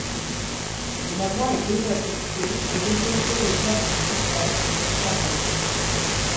Le voie est désaffectée et déposée au delà de Civray vers Charroux.